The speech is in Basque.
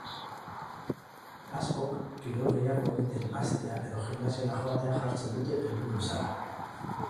Askok kirol gehiago egiten hastea edo gimnasiora joatea jartzen dute helburu bezala.